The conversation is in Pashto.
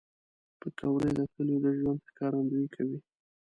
پکورې د کلیو د ژوند ښکارندویي کوي